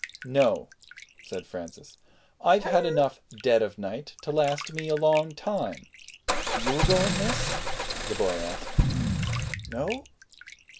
"No," said Francis, "I've had enough dead of night to last me a long time." "You a going, miss?" the boy asked. "No?